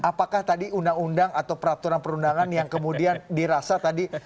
apakah tadi undang undang atau peraturan perundangan yang kemudian dirasa tadi